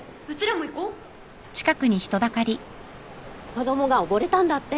・子供が溺れたんだって。